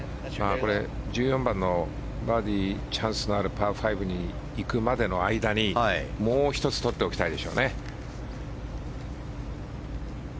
これ、１４番のバーディーチャンスのあるパー５に行くまでの間に、もう１つ取っておきたいでしょうね。